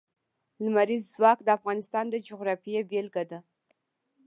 لمریز ځواک د افغانستان د جغرافیې بېلګه ده.